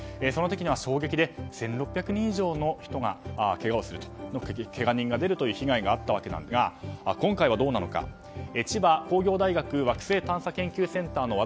その時には衝撃で１６００人以上のけが人が出るという被害があったわけですが今回はどうなのか千葉工業大学惑星探査研究センター